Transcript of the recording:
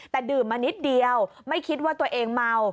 แต่ดื่มมานิดเดียวไม่คิดว่าตัวเองเมา